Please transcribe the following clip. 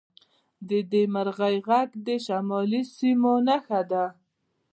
د دې مرغۍ غږ د شمالي سیمو نښه ده